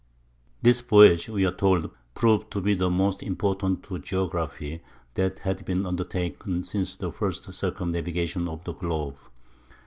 "This voyage," we are told, "proved to be the most important to geography that had been undertaken since the first circumnavigation of the globe."